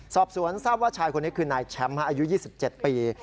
สอบสวนทราบว่าชายคนนี้คือนายแชมป์อายุ๒๗ปี